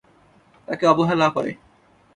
তাকে অবহেলা করে।